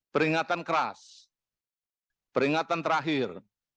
peringatan keras peringatan terakhir